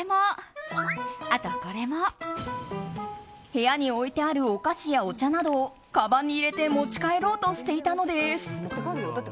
部屋に置いてあるお菓子やお茶などをかばんに入れて持ち帰ろうとしていたのです。